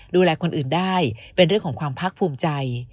ดูแลคนอื่นได้เป็นเรื่องของความภาคภูมิใจ